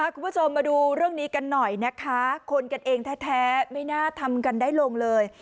คุณผู้ชมมาดูเรื่องนี้กันหน่อยนะคะคนกันเองแท้ไม่น่าทำกันได้ลงเลย